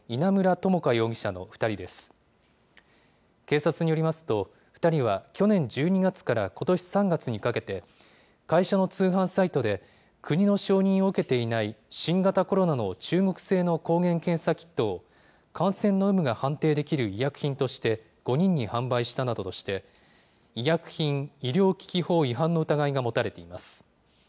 警察によりますと、２人は去年１２月からことし３月にかけて、会社の通販サイトで、国の承認を受けていない、新型コロナの中国製の抗原検査キットを、感染の有無が判定できる医薬品として５人に販売したなどとして、医薬品医療機器法違反の疑いが持たれています。